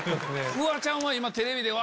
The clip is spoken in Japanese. フワちゃんは今テレビでわ！